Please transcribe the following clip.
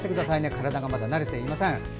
体がまだ慣れていません。